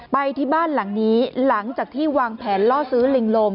ไปที่บ้านหลังนี้หลังจากที่วางแผนล่อซื้อลิงลม